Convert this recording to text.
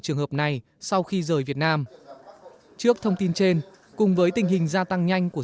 trường hợp này sau khi rời việt nam trước thông tin trên cùng với tình hình gia tăng nhanh của